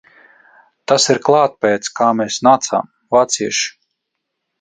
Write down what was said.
Tas ir klāt pēc kā mēs nācām, Vācieši!